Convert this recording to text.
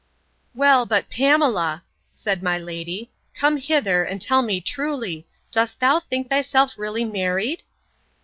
Well, but Pamela, said my lady, come hither, and tell me truly, Dost thou think thyself really married?